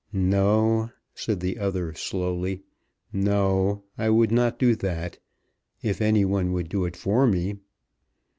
"No;" said the other slowly; "no. I would not do that. If any one would do it for me!"